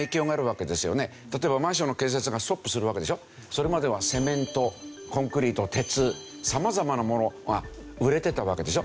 それまではセメントコンクリート鉄様々なものが売れてたわけでしょ。